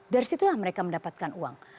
dari situlah mereka mendapatkan uang